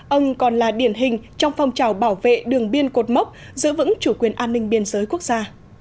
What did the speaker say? ông còn là điển hình trong phong trào bảo vệ đường biên cột mốc giữ vững chủ quyền an ninh biên giới quốc gia